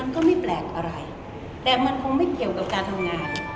ก็ไม่แปลกอะไรแต่มันคงไม่เกี่ยวกับการทำงาน